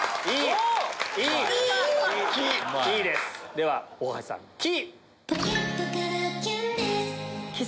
では大橋さん「き」！